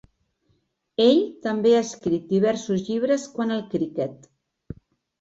Ell també ha escrit diversos llibres quant al criquet.